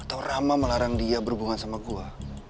atau rama melarang dia berhubungan sama gua